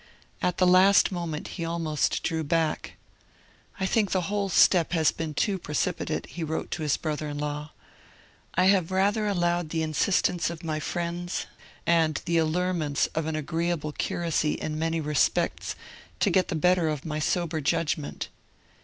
At the last moment he almost drew back. 'I think the whole step has been too precipitate,' he wrote to his brother in law. 'I have rather allowed the instance of my friends, and the allurements of an agreeable curacy in many respects, to get the better of my sober judgment.'